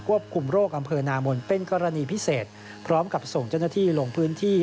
คุมโรคอำเภอนามนเป็นกรณีพิเศษพร้อมกับส่งเจ้าหน้าที่ลงพื้นที่